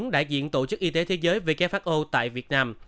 bốn đại diện tổ chức y tế thế giới who tại việt nam